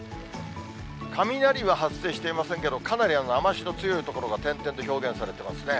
雷は発生していませんけど、かなり雨足の強い所が点々と表現されていますね。